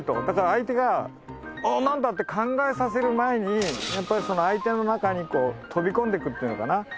だから相手が「何だ！？」って考えさせる前にやっぱり相手の中にこう飛び込んでいくっていうのかな。